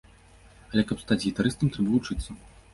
Але каб стаць гітарыстам, трэба вучыцца.